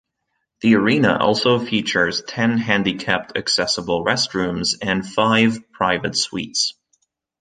The arena also features ten handicapped-accessible restrooms and five private suites.